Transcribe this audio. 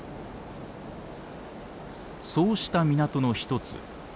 そうした港の一つ。